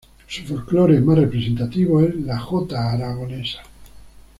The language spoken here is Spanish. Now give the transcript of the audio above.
Su folclore más representativo es la Jota Aragonesa.